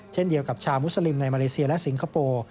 เช่นเดียวกับชาวมุสลิมในมาเลเซียและสิงคโปร์